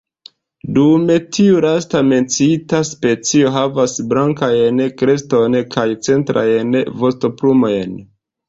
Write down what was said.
Dume tiu laste menciita specio havas blankajn kreston kaj centrajn vostoplumojn.